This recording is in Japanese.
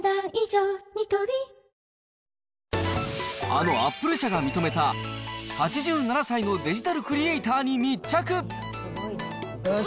あのアップル社が認めた、８７歳のデジタルクリエーターに密着。